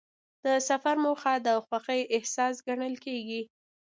د سفر موخه د خوښۍ احساس ګڼل کېږي.